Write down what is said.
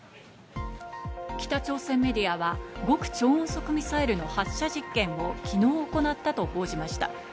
北朝鮮メディアは極超音速ミサイルの発射実験を昨日行ったと報じました。